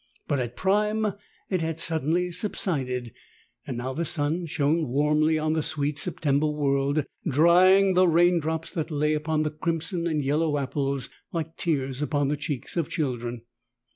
But at Prime it had suddenly subsided, and now the sun shone warmly on the sweet September world, drying the rain drops that lay upon the crimson and yellow apples like tears upon the cheeks of children.